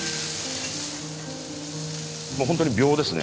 もう本当に秒ですね。